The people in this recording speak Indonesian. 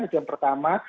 itu yang pertama